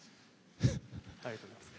ありがとうございます。